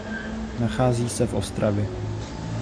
Nachází se v Ostravě.